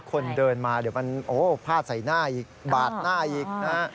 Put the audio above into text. คนเดินมาเดี๋ยวมันโอ้พาดใส่หน้าอีกบาดหน้าอีกนะฮะ